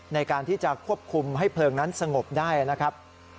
ในการที่จะควบคุมให้เพลิงนั้นสงบได้นะครับ